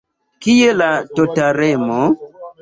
Kie la toleremo?